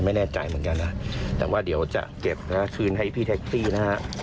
ไม่แน่ใจเหมือนกันนะแต่ว่าเดี๋ยวจะเก็บนะคืนให้พี่แท็กซี่นะฮะ